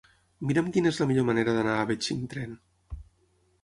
Mira'm quina és la millor manera d'anar a Betxí amb tren.